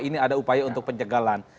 ini ada upaya untuk pencegalan